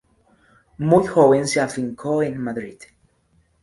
Muy joven se afincó en Madrid.